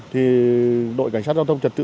thì đội cảnh sát giao thông trật tự